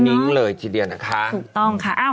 นิ้งเลยทีเดียวนะคะ